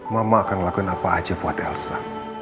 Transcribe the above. mama akan lakukan apa aja buat elsa